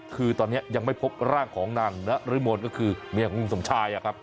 คือตอนนี้ยังไม่พบร่างของนางนรมนก็คือเมียของคุณสมชายครับ